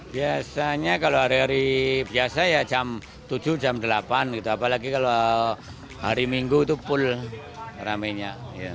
biasanya kalau hari hari biasa ya jam tujuh jam delapan gitu apalagi kalau hari minggu itu pul rame nya